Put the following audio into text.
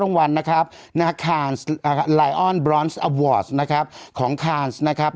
รังวัลนะครับนะครับนะครับนะครับนะครับนะครับนะครับ